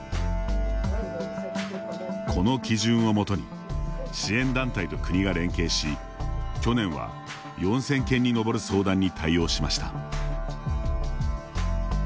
この基準をもとに支援団体と国が連携し去年は４０００件に上る相談に対応しました。